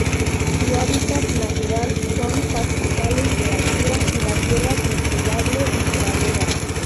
Su hábitat natural son: pastizales de altura, y la tierra cultivable y praderas.